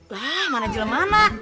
lah mana jelemahnya